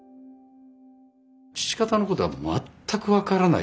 父方のことは全く分からない。